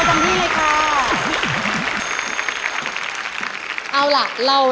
เอาล่ะเราเรียกแล้วค่ะ